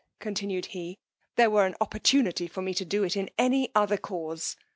continued he, there were an opportunity for me to do it in any other cause!